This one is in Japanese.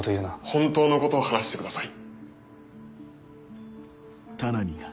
本当のことを話してください。